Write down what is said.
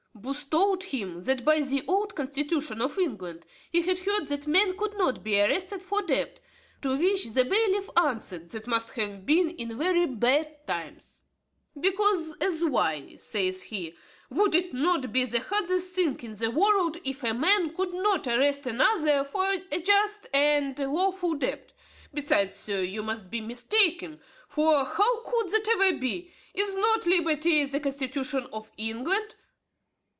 Booth told him, that by the old constitution of England he had heard that men could not be arrested for debt; to which the bailiff answered, that must have been in very bad times; "because as why," says he, "would it not be the hardest thing in the world if a man could not arrest another for a just and lawful debt? besides, sir, you must be mistaken; for how could that ever be? is not liberty the constitution of England?